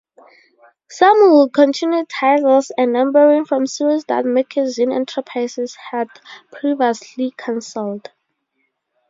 Some would continue titles and numbering from series that Magazine Enterprises had previously canceled.